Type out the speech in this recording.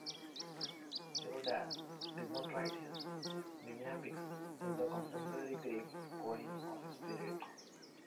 Herodas did not write his mimiambics in the contemporary Greek "koine" of his period.